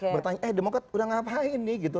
bertanya eh demokrat udah ngapain nih gitu